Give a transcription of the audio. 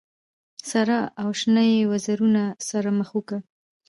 سره او شنه یې وزرونه سره مشوکه